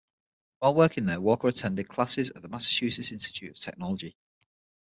While working there Walker attended classes at the Massachusetts Institute of Technology.